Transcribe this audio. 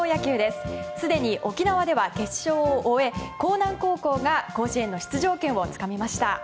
すでに沖縄では決勝を終え興南高校が甲子園の出場権をつかみました。